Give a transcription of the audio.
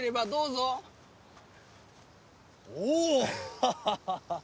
ハハハハッ。